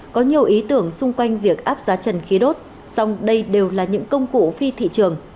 có nhiều ý tưởng xung quanh việc áp giá trần khí đốt song đây đều là những công cụ phi thị trường